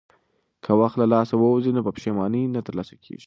که وخت له لاسه ووځي نو په پښېمانۍ نه ترلاسه کېږي.